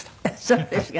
そうですか。